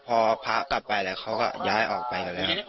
พอพระกลับไปแล้วเขาก็ย้ายออกไปกันเลยครับ